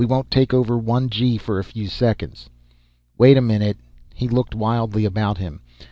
Won't take over one 'g' for a few seconds." "Wait a minute." He looked wildly about him.